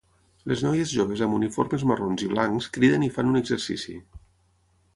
Les noies joves amb uniformes marrons i blancs criden i fan un exercici.